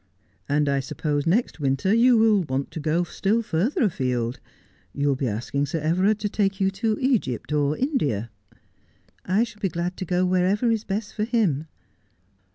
'And I suppose next winter you will want to go still further afield. You will be asking Sir Everard to take you to Egypt or India.' ' I shall be glad to go wherever is best for him.'